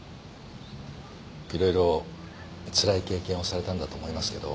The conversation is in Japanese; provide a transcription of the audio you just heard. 色々つらい経験をされたんだと思いますけど。